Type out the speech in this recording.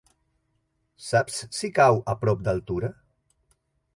Saps si cau a prop d'Altura?